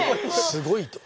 すごいと。